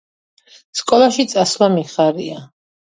სკოლაში წასვლა მიხარია